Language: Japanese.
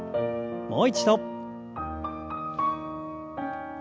もう一度。